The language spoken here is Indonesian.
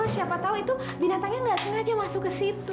siapa tahu itu binatangnya nggak sengaja masuk ke situ